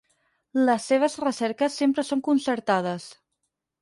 Les seves recerques sempre són concertades.